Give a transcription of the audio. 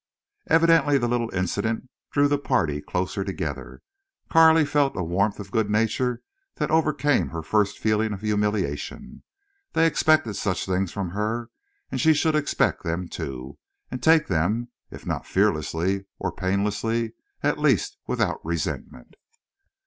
Evidently the little incident drew the party closer together. Carley felt a warmth of good nature that overcame her first feeling of humiliation. They expected such things from her, and she should expect them, too, and take them, if not fearlessly or painlessly, at least without resentment.